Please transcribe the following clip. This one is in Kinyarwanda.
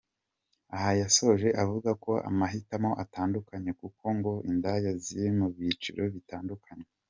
Aha yasoje avuga ko amahitamo atandukanye kuko ngo indaya ziri mu byiciro bitandukanye.